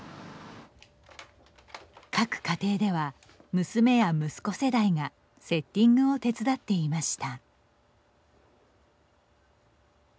各家庭では、娘や息子世代がセッティングを手伝っていました。